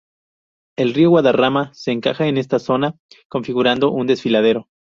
El río Guadarrama se encaja en esta zona, configurando un desfiladero.